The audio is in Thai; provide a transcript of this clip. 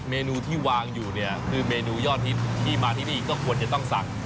เมนูที่วางอยู่เนี่ยคือเมนูยอดฮิตที่มาที่นี่ก็ควรจะต้องสั่ง